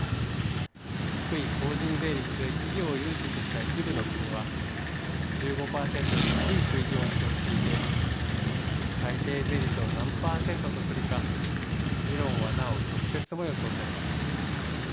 低い法人税率で企業を誘致してきた一部の国は、１５％より低い水準を主張していて、最低税率を何％とするか、議論はなお曲折も予想されます。